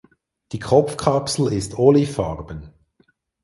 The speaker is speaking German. Die Kopfkapsel ist olivfarben.